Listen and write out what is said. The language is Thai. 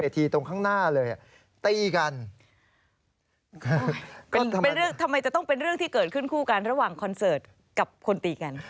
ทำไมจะต้องเป็นเรื่องที่เกิดขึ้นคู่กันระหว่างคอนเสิร์ตกับคนตีกัน